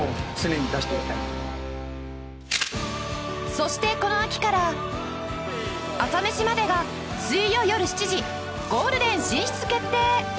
そしてこの秋から『朝メシまで。』が水曜よる７時ゴールデン進出決定！